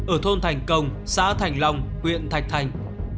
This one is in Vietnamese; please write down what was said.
ở thôn thành công xã thành long huyện thạch thành